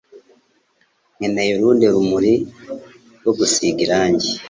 Nkeneye urundi rumuri rwo gusiga irangi